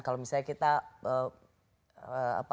kalau misalnya kita melakukan pemain bola